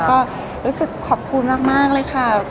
ก็รู้สึกขอบคุณมากเลยค่ะ